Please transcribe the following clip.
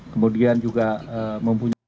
kemudian juga membungkuk